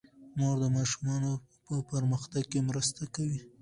مور د ماشومانو په پرمختګ کې مرسته کوي.